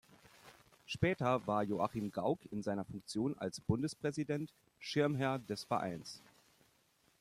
Später war Joachim Gauck in seiner Funktion als Bundespräsident Schirmherr des Vereins.